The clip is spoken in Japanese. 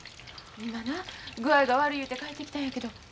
今な具合が悪い言うて帰ってきたんやけど。